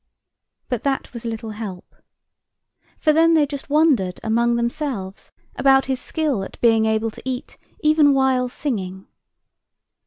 But that was little help. For then they just wondered among themselves about his skill at being able to eat even while singing.